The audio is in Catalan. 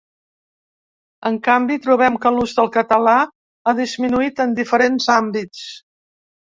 En canvi, trobem que l’ús del català ha disminuït en diferents àmbits.